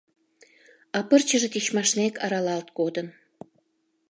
А пырчыже тичмашнек аралалт кодын.